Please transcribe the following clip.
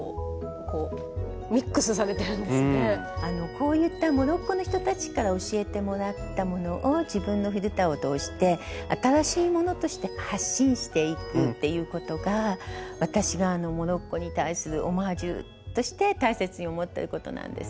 こういったモロッコの人たちから教えてもらったものを自分のフィルターを通して新しいものとして発信していくっていうことが私がモロッコに対するオマージュとして大切に思ってることなんです。